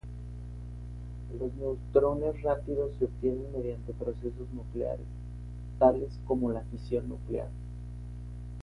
Los neutrones rápidos se obtienen mediante procesos nucleares, tales como la fisión nuclear.